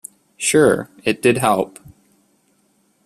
Sure, it did help.